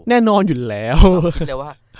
แน่นอนอยู่แล้ว